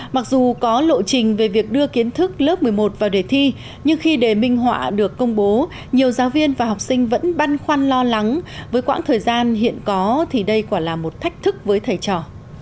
mặc dù có lộ trình về việc đưa kiến thức lớp một mươi một vào đề thi nhưng khi đề minh họa được công bố nhiều giáo viên và học sinh vẫn băn khoăn lo lắng với quãng thời gian hiện có thì đây quả là một thách thức với thầy trò